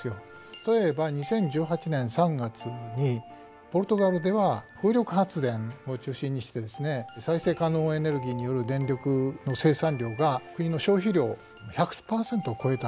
例えば２０１８年３月にポルトガルでは風力発電を中心にしてですね再生可能エネルギーによる電力生産量が国の消費量１００％を超えた。